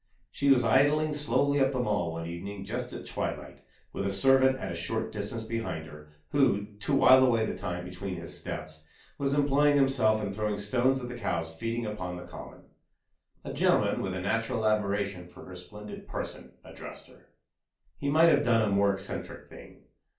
She was idling slowly up the Mall one evening just at twilight, with a servant at a short distance behind her, who, to while away the time between his steps, was employing himself in throwing stones at the cows feeding upon the Common. A gentleman, with a natural admiration for her splendid person, addressed her. He might have done a more eccentric thing.